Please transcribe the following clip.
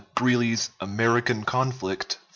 Greeley's "American Conflict," I.